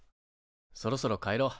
そろそろ帰ろう。